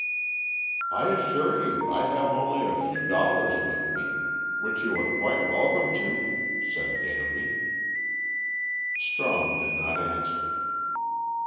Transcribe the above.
"I assure you I have only a few dollars with me, which you are quite welcome to," said Danby. Strong did not answer.